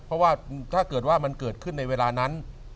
เพราะว่าถ้าเกิดว่ามันเกิดขึ้นในเวลานั้น